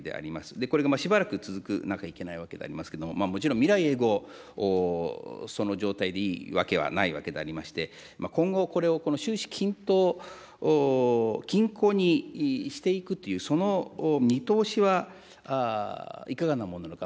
これがしばらく続かなきゃいけないわけでありますけれども、もちろん未来永ごうその状態でいいわけはないわけでありまして、今後、これを収支均衡にしていくという、その見通しはいかがなものなのか。